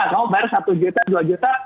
kamu bayar satu juta dua juta